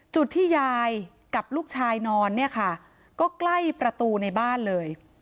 จุดที่ยายกับลูกชายนอนเนี่ยค่ะก็ใกล้ประตูในบ้านเลย